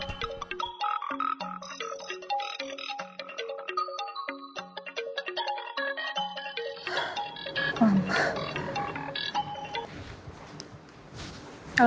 oh ini bryant